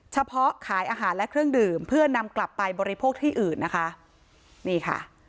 เฉพาะขายอาหารและเครื่องดื่มเพื่อนำกลับไปบริโภคที่อื่นนะคะนี่ค่ะ